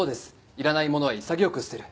いらない物は潔く捨てる。